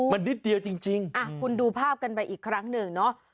มันนิดเดียวจริงคุณดูภาพกันไปอีกครั้งหนึ่งเนาะ